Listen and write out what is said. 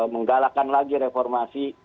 menggalakkan lagi reformasi